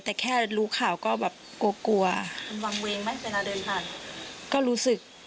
แต่แค่รู้ข่าวก็แบบกลัวกลัวมันวางเวงไหมเวลาเดินผ่านก็รู้สึก